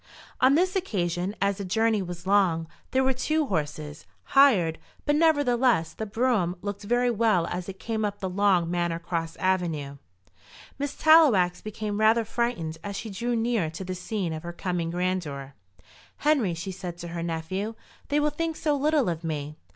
On this occasion, as the journey was long, there were two horses hired; but, nevertheless, the brougham looked very well as it came up the long Manor Cross avenue. Miss Tallowax became rather frightened as she drew near to the scene of her coming grandeur. "Henry," she said to her nephew, "they will think so little of me."